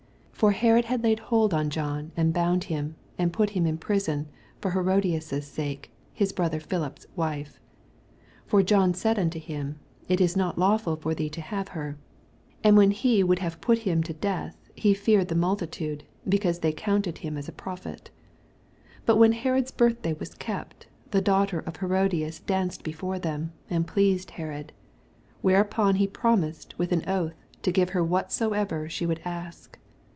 8 For Herod had laid hold on John, and boand him, and put him in prison for Herodias^ sake, his brother Philip^s wife. 4 For John said unto him, It is not laii fnl for thee to have her. 6 And when he wonld have pat him to death, he feared the multitude, be eanse they counted him aa a prophet. 6 But when Herod's birthday was kept, the daughter of Herodias danced before tbem, and p. eased Herod. 7 Whereupon he promise«l wit L an oath to give her whatsoever she would ask.